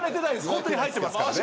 本当に入ってますからね。